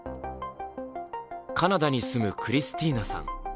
カナダに住むクリスティーナさん。